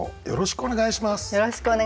よろしくお願いします。